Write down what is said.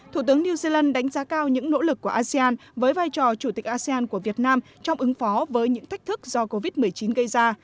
thủ tướng new zealand đánh giá cao những nỗ lực của asean với vai trò chủ tịch asean của việt nam trong ứng phó với những thách thức do covid một mươi chín gây ra